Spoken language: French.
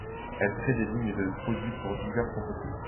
Elle crée des lignes de produits pour diverses entreprises.